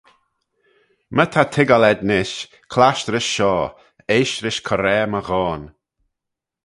"My ta toiggal ayd nish, clasht rish shoh; eaisht rish coraa my ghoan."